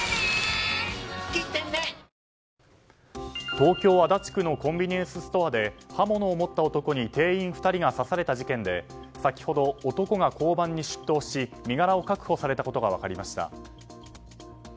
東京・足立区のコンビニエンスストアで刃物を持った男に店員２人が刺された事件で先ほど、男が交番に出頭し身柄を確保されたことが分かりました。